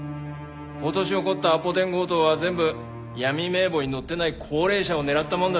今年起こったアポ電強盗は全部闇名簿に載ってない高齢者を狙ったもんだったよ。